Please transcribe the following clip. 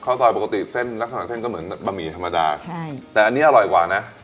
ซอยปกติเส้นลักษณะเส้นก็เหมือนบะหมี่ธรรมดาใช่แต่อันนี้อร่อยกว่านะ